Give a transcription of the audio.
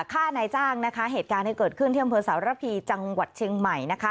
ฆ่านายจ้างนะคะเหตุการณ์ที่เกิดขึ้นที่อำเภอสารพีจังหวัดเชียงใหม่นะคะ